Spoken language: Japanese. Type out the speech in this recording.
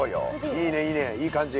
いいねいいねいい感じ。